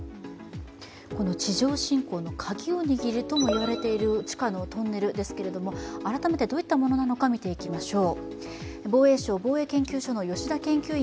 この地上侵攻のカギを握るとされる地下トンネルですが改めてどういったものなのか見ていきましょう。